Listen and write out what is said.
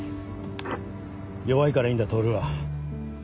弱いからいいんだ透は。